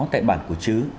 tại bản của chứ